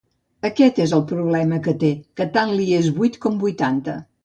Aquest és el problema que té, que tant li és vuit com vuitanta.